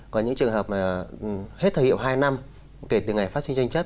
có những trường hợp mà hết thời hiệu hai năm kể từ ngày phát sinh tranh chấp